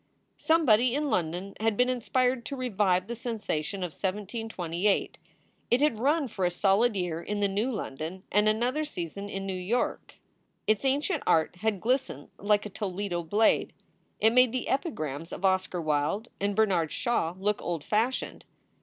Somebody in London had been inspired to revive the sensation of 1728. It had run for a solid year in the new London and another season in New York. Its ancient art had glistened like a Toledo blade. It made the epigrams of Oscar Wilde and Bernard Shaw look old fashioned.